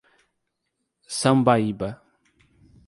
Sambaíba